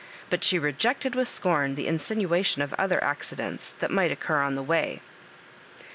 But she rejected with scorn, the insinuation of other accidents that might occur on the way.